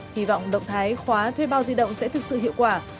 hy vọng động thái khóa thuê bao di động sẽ thực sự hiệu quả